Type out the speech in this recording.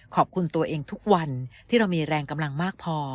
ขอบคุณตัวเองทุกวันที่เรามีแรงกำลังมากพอ